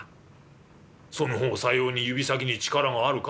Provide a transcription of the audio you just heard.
「その方さように指先に力があるか？」。